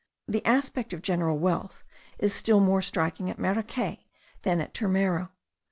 The aspect of general wealth is still more striking at Maracay, than at Turmero.